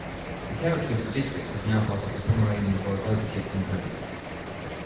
The territory of the district is now part of the Pomeranian Voivodeship in Poland.